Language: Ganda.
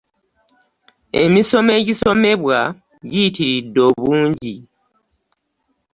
Emisomo egisomebwa giyitiridde obungi